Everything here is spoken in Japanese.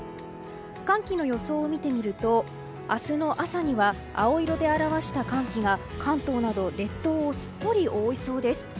寒気の予想を見てみると明日の朝には青色で表した寒気が関東など列島をすっぽり覆いそうです。